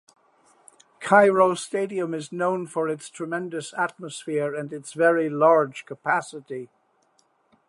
Cairo Stadium is known for its tremendous atmosphere and its very large capacity.